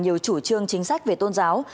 nhiều chủ trương chính sách về tôn giáo